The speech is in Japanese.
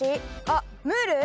あっムール？